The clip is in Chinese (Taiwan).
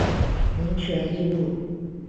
民權一路